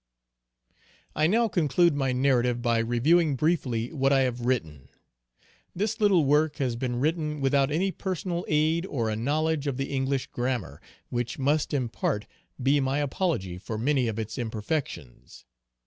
_ I now conclude my narrative, by reviewing briefly what I have written. This little work has been written without any personal aid or a knowledge of the English grammer, which must in part be my apology for many of its imperfections.